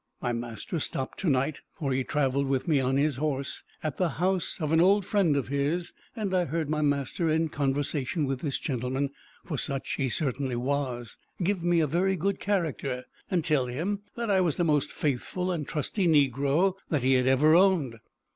My master stopped to night (for he traveled with me on his horse) at the house of an old friend of his; and I heard my master, in conversation with this gentleman, (for such he certainly was) give me a very good character, and tell him, that I was the most faithful and trusty negro that he had ever owned.